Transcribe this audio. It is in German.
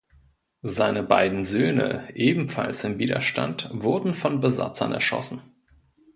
Seine beiden Söhne, ebenfalls im Widerstand, wurden von Besatzern erschossen.